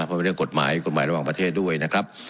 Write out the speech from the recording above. เพราะเป็นเรื่องกฎหมายกฎหมายระหว่างประเทศด้วยนะครับ